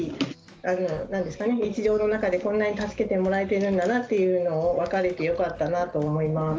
日常の中で、こんなに助けてもらえているんだなって分かることができてよかったなと思います。